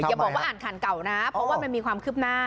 อย่าบอกว่าอ่านข่าวเก่านะเพราะว่ามันมีความคืบหน้า